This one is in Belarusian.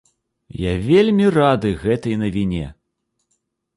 Я вельмі рады гэтай навіне!